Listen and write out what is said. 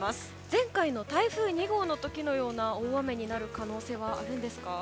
前回の台風２号のような大雨になる可能性はありますか？